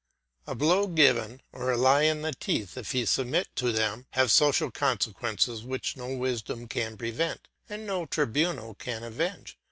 A blow given, or a lie in the teeth, if he submit to them, have social consequences which no wisdom can prevent and no tribunal can avenge.